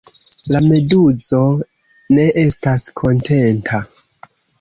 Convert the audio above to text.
La meduzo ne estas kontenta.